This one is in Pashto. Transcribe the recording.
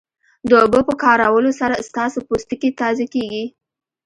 د اوبو په کارولو سره ستاسو پوستکی تازه کیږي